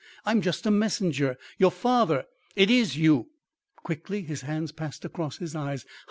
"I'm just a messenger. Your father " "It IS you!" Quickly his hands passed across his eyes.